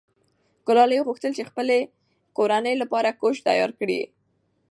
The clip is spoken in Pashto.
ګلالۍ غوښتل چې د خپلې کورنۍ لپاره کوچ تیار کړي.